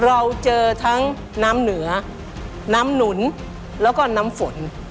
เราเจอทั้งน้ำเหนือน้ำหนุนแล้วก็น้ำฝน